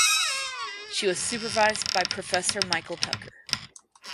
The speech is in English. She was supervised by Professor Michael Tucker.